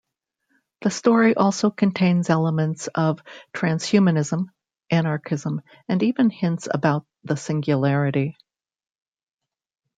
The story also contains elements of transhumanism, anarchism, and even hints about The Singularity.